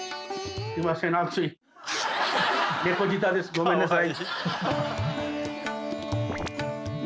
ごめんなさい。